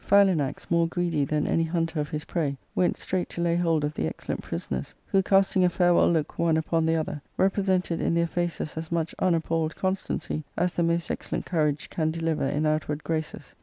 Philanax, more greedy than any hunter of his prey, went straight to lay hold of the excellent prisoners, who, casting a farewell look one upon the other, represented in their faces as much unappalled constancy as the most ex cellent courage can deliver in outward graces.